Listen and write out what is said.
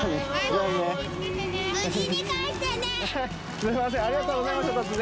すみませんありがとうございました突然。